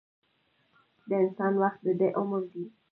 د انسان وخت دده عمر دی.